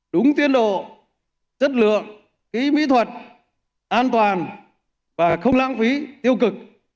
đúng tiến độ chất lượng kỹ mỹ thuật an toàn và không lãng phí tiêu cực